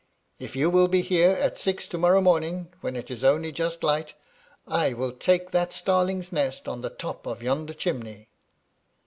K you will be here at six to morrow morning, when it is only just light, I will take that starling's nest on the top of yonder chimney.'